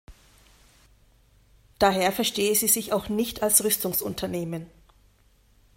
Daher verstehe sie sich auch nicht als Rüstungsunternehmen.